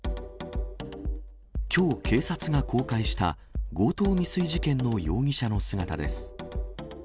きょう、警察が公開した、強盗未遂事件の容疑者の姿です。